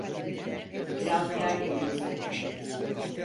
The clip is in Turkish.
Biraz gergin gibisin.